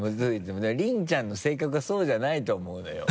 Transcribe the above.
でも凜ちゃんの性格はそうじゃないと思うのよ。